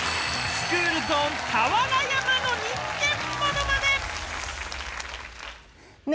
スクールゾーン・俵山の人間ものまね。